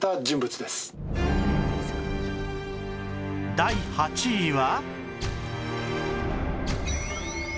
第８位は